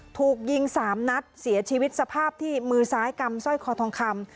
ถูกยิง๓นัดเสียชีวิตสภาพที่มือซ้ายกำสร้อยคอทองคำ